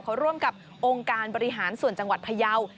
เขาร่วมกับองค์การบริหารส่วนจังหวัดพยาว